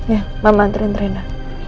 ya mama antarin rena